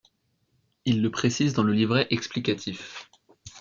Il le précise dans le livret explicatif.